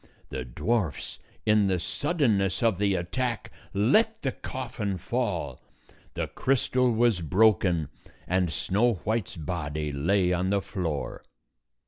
The dwarfs, in the suddenness of the attack, let the coffin fall. The crystal was broken, and Snow White's body lay on the floor.